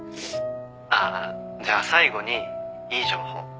ああじゃあ最後にいい情報。